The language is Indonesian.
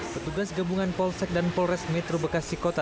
petugas gabungan polsek dan polres metro bekasi kota